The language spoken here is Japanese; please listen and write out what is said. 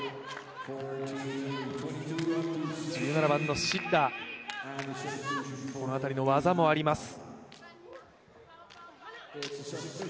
１７番のシッラ、この辺りの技もあります。